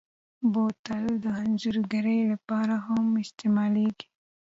بوتل د انځورګرۍ لپاره هم استعمالېږي.